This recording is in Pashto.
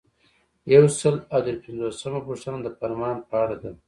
یو سل او درې پنځوسمه پوښتنه د فرمان په اړه ده.